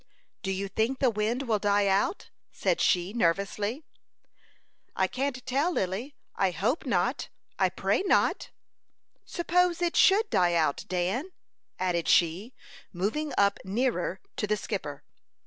"Do you think the wind will die out?" said she, nervously. "I can't tell, Lily. I hope not, I pray not." "Suppose it should die out, Dan?" added she, moving up nearer to the skipper.